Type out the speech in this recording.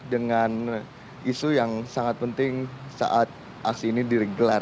dengan isu yang sangat penting saat aksi ini digelar